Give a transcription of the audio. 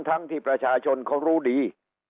ทั้งที่ประชาชนเขารู้ดี